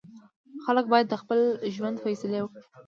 خلک باید د خپل ژوند فیصلې وکړي.